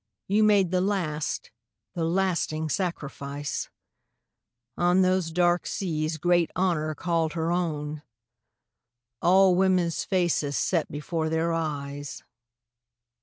You made the last, the lasting sacrifice ! On those dark seas great Honor called her own, All women's faces set before their eyes!